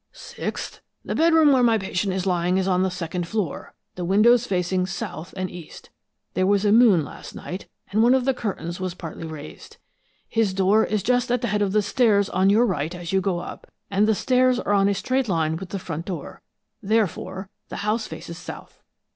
"Sixth, the bedroom where my patient is lying is on the second floor, the windows facing south and east; there was a moon last night, and one of the curtains was partly raised. His door is just at the head of the stairs on your right as you go up, and the stairs are on a straight line with the front door therefore the house faces south.